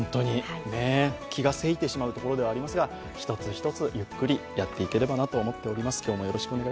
気が急いてしまうところではありますが、一つ一つゆっくりやっていければなと思っております。